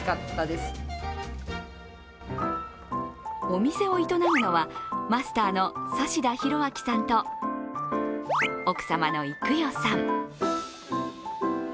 お店を営むのは、マスターの指田宏明さんと奥様の郁代さん。